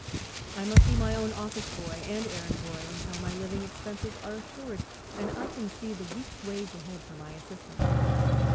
I must be my own office boy and errand boy until my living expenses are assured and I can see the week's wage ahead for my assistant.